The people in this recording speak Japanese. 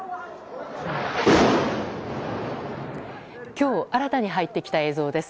今日新たに入ってきた映像です。